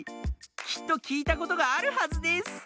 きっときいたことがあるはずです。